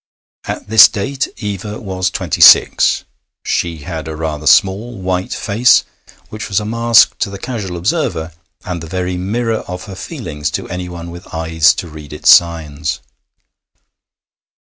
At this date Eva was twenty six. She had a rather small, white face, which was a mask to the casual observer, and the very mirror of her feelings to anyone with eyes to read its signs.